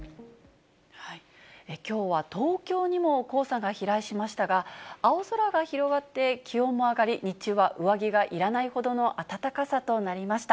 きょうは東京にも黄砂が飛来しましたが、青空が広がって気温も上がり、日中は上着がいらないほどの暖かさとなりました。